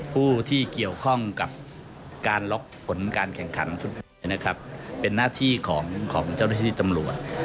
ผู้ที่เกี่ยวข้องกับการล็อกผลการแข่งขันฟุตบอลเป็นหน้าที่ของเจ้าหน้าที่ตำรวจ